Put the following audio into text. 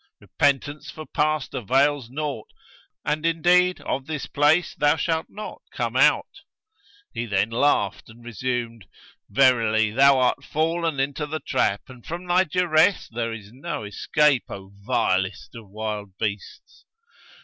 Repentance for past avails naught, and indeed of this place thou shalt not come out.' He then laughed and resumed, 'Verily thou art fallen into the trap and from thy duress there is no escape, O vilest of wild beasts!'